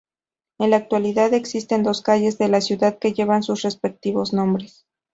En la actualidad existen dos calles de la ciudad que llevan sus respectivos nombres.